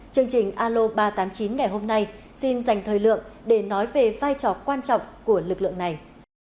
chương trình alo ba trăm tám mươi chín ngày hôm nay xin dành thời lượng để nói về vai trò quan trọng của lực lượng này